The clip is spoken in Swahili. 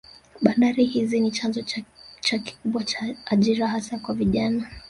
Bandari hizi ni chanzo cha kikubwa cha ajira hasa kwa vijana